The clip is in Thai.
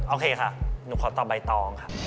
โอเคค่ะหนูขอตอบใบตองค่ะ